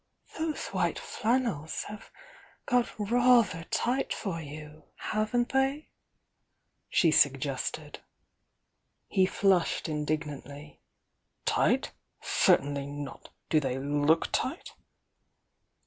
"Those white flannels have got rather tight for you, haven't they?" she suggested. He flushed indignantly. "Tight? Certainly not! Do they look tight?"